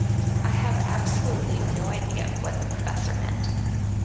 I have absolutely no idea what the professor meant.